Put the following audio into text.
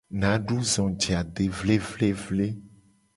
Nadu zo je ade vlevlevle.